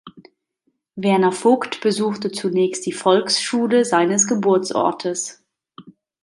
Werner Vogt besuchte zunächst die Volksschule seines Geburtsortes.